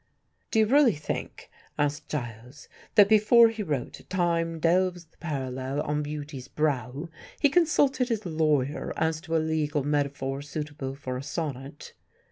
"Do you really think," asked Giles, "that before he wrote 'Time delves the parallel on beauty's brow,' he consulted his lawyer as to a legal metaphor suitable for a sonnet?"